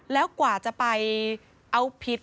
แล้วกว่าจะไปเอาผิด